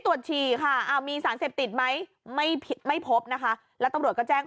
ฉี่ค่ะมีสารเสพติดไหมไม่พบนะคะแล้วตำรวจก็แจ้ง